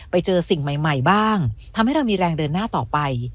ไปเจอสิ่งใหม่บ้างทำให้เรามีแรงเดินหน้าต่อไป